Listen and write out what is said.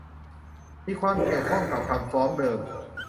มีความเกี่ยวข้องกับคำฟ้องเดิม